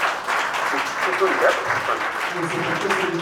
Ikessu tundar xeṣṣfent.